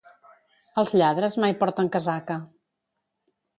Ells lladres mai porten casaca.